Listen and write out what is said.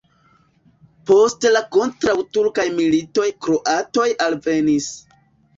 Post la kontraŭturkaj militoj kroatoj alvenis.